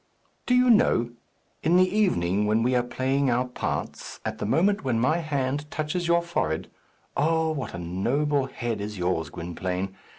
"Do you know! In the evening, when we are playing our parts, at the moment when my hand touches your forehead oh, what a noble head is yours, Gwynplaine!